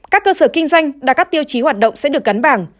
các cơ sở kinh doanh đã cắt tiêu chí hoạt động sẽ được gắn bảng